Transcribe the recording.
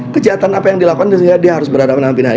kejahatan apa yang dilakukan dia harus berada menangkap pindahan